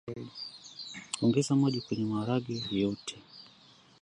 ongeza maji kwenye maharage yote